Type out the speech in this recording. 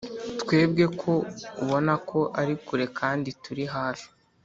“twebwe ko ubona ko ari kure kandi turi hafi;